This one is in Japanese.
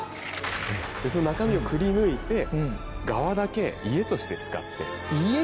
その中身をくりぬいてがわだけ家として使ってる。